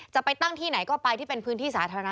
จะไปตั้งที่ไหนก็ไปที่เป็นพื้นที่สาธารณะ